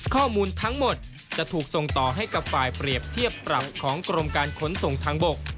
ข้อมูลทั้งหมดจะถูกส่งต่อให้กับฝ่ายเปรียบเทียบปรับของกรมการขนส่งทางบก